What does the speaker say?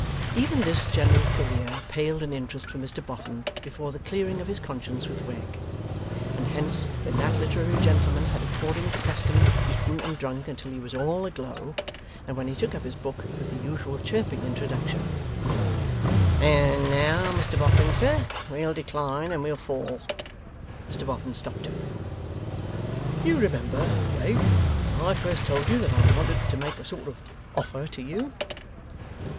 Even this general's career paled in interest for Mr Boffin before the clearing of his conscience with Wegg; and hence, when that literary gentleman had according to custom eaten and drunk until he was all a glow, and when he took up his book with the usual chirping introduction, 'And now, Mr Boffin, sir, we'll decline and we'll fall!' Mr Boffin stopped him. 'You remember, Wegg, when I first told you that I wanted to make a sort of offer to you?